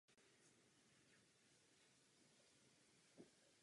Později se rozvedli.